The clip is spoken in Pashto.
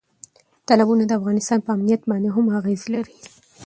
تالابونه د افغانستان په امنیت باندې هم اغېز لري.